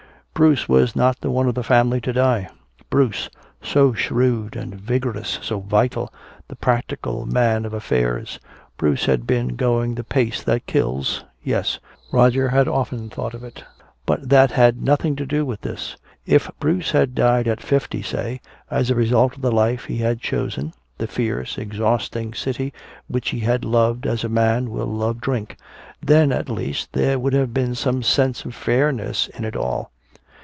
Bruce was not the one of the family to die. Bruce, so shrewd and vigorous, so vital, the practical man of affairs. Bruce had been going the pace that kills yes, Roger had often thought of it. But that had nothing to do with this! If Bruce had died at fifty, say, as a result of the life he had chosen, the fierce exhausting city which he had loved as a man will love drink, then at least there would have been some sense of fairness in it all!